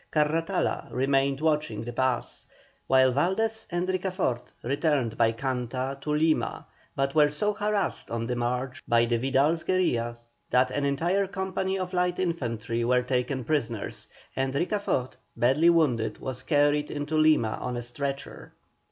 Carratala remained watching the pass, while Valdés and Ricafort returned by Canta to Lima; but were so harassed on the march by Vidal's guerillas, that an entire company of light infantry were taken prisoners, and Ricafort, badly wounded, was carried into Lima on a stretcher.